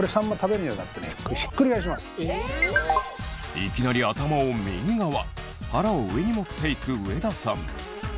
いきなり頭を右側腹を上に持っていく上田さん。